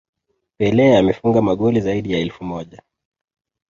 Pele amefunga magoli zaidi ya elfu moja